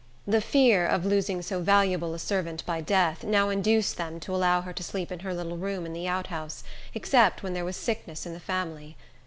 The fear of losing so valuable a servant by death, now induced them to allow her to sleep in her little room in the outhouse, except when there was sickness in the family.